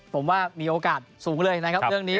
ผมว่ามีโอกาสสูงเลยนะครับเรื่องนี้